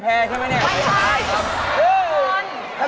ชั้นใช่